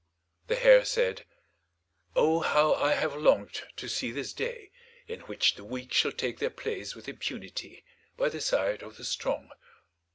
The Hare said, "Oh, how I have longed to see this day, in which the weak shall take their place with impunity by the side of the strong."